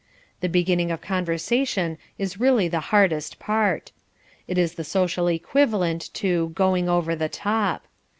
The beginning of conversation is really the hardest part. It is the social equivalent to "going over the top."